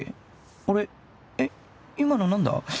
俺えっ今の何だ？